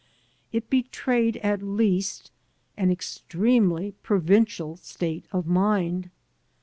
It betrayed, at least, an extremely provincial state of mind.